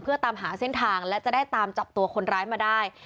เพื่อตามหาเส้นทางและจะได้ตามจับตัวคนร้ายมาได้